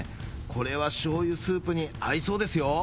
これはしょう油スープに合いそうですよ！